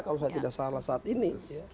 kalau saya tidak salah saat ini